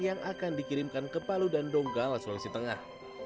yang akan dikirimkan ke palu dan donggala sulawesi tengah